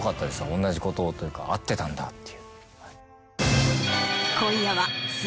同じことをというか合ってたんだっていう。